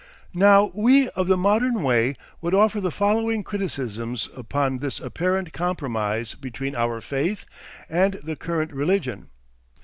Now we of the modern way would offer the following criticisms upon this apparent compromise between our faith and the current religion.